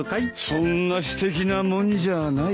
そんな詩的なもんじゃないよ。